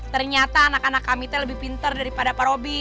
ternyata anak anak kami itu lebih pinter daripada pak roby